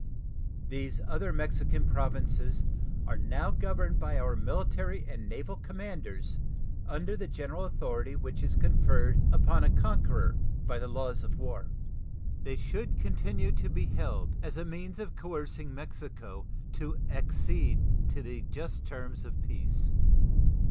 These other Mexican Provinces are now governed by our military and naval commanders under the general authority which is conferred upon a conqueror by the laws of war. They should continue to be held, as a means of coercing Mexico to accede to just terms of peace.